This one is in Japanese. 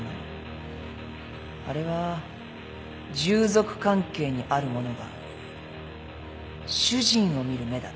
あれは従属関係にある者が主人を見る目だった。